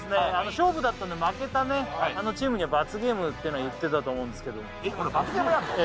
勝負だったんで負けたチームには罰ゲームってのを言ってたと思うんですけどもええ